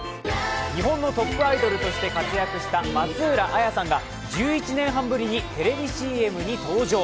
日本のトップアイドルとして活躍した松浦亜弥さんが１１年半ぶりにテレビＣＭに登場。